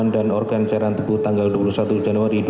dan caran tebu tanggal dua puluh satu januari dua ribu enam belas